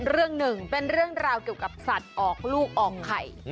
เรื่องหนึ่งเป็นเรื่องราวเกี่ยวกับสัตว์ออกลูกออกไข่